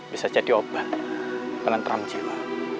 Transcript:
bisa jadi obat penentram jiwa